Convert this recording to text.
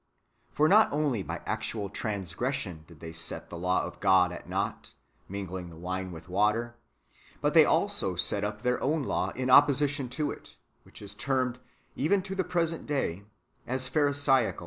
"^ For not only by actual transgression did they set the law of God at naught, mingling the wine with water ; but they also set up their own law in opposition to it, which is termed, even to the present day, the pharisaical.